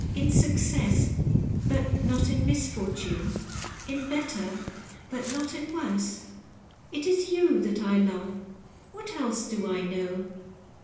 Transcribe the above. "In success, but not in misfortune 2 In better, but not in worse ? It is you that I love — ^what else do I know?"